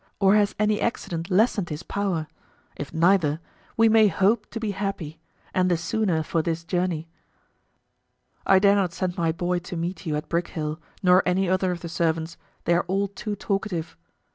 Or has any accident lessened his power? If neither, we may hope to be happy, and the sooner for this journey. I dare not send my boy to meet you at Brickhill nor any other of the servants, they are all too talkative.